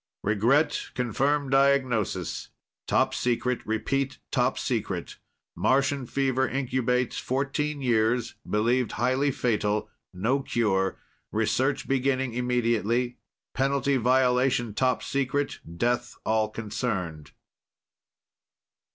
Regret confirm diagnosis. Topsecret. Repeat topsecret. Martian fever incubates fourteen years, believed highly fatal. No cure, research beginning immediately. Penalty violation topsecret, death all concerned.